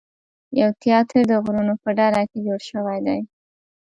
یو تیاتر د غرونو په ډډه کې جوړ شوی دی.